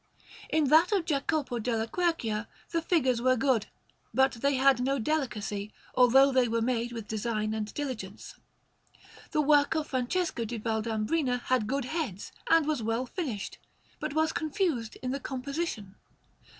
In that of Jacopo della Quercia the figures were good, but they had no delicacy, although they were made with design and diligence. The work of Francesco di Valdambrina had good heads and was well finished, but was confused in the composition.